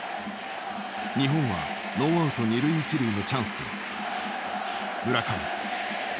日本はノーアウト二塁一塁のチャンスで村上。